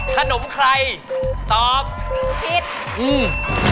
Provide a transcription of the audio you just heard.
ขนมใครตอบผิดอืม